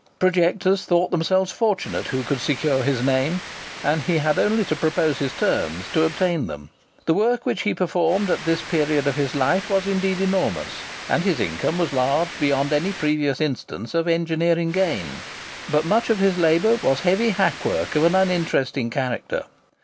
Projectors thought themselves fortunate who could secure his name, and he had only to propose his terms to obtain them. The work which he performed at this period of his life was indeed enormous, and his income was large beyond any previous instance of engineering gain. But much of his labour was heavy hackwork of a very uninteresting character.